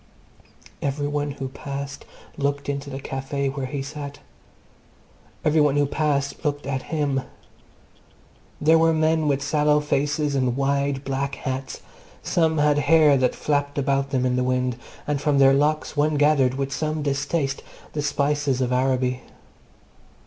... Every one who passed looked into the Café where he sat. Every one who passed looked at him. There were men with sallow faces and wide black hats. Some had hair that flapped about them in the wind, and from their locks one gathered, with some distaste, the spices of Araby.